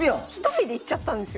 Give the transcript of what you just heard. １人で行っちゃったんですよ。